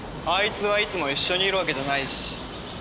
あいつはいつも一緒にいるわけじゃないし。